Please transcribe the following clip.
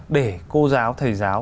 để cô giáo thầy giáo